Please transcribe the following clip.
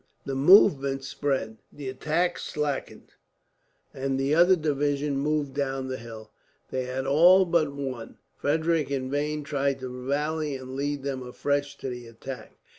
The movement spread, the attack slackened, and the other division moved down the hill. They had all but won. Frederick in vain tried to rally and lead them afresh to the attack.